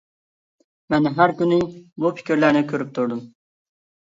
مەن ھەر كۈنى بۇ پىكىرلەرنى كۆرۈپ تۇردۇم.